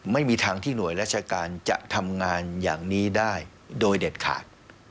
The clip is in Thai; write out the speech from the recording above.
ไม่มีทางที่หน่วยราชการจะทำงานอย่างนี้ได้โดยเด็ดขาด